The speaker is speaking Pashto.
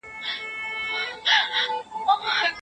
د خلګو په مالونو کي خاین مه کېږئ.